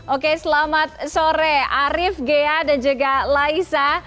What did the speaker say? oke selamat sore arief ghea dan juga laisa